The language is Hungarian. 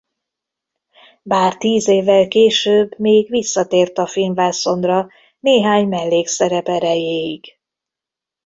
Bár tíz évvel később még visszatért a filmvászonra néhány mellékszerep erejéig.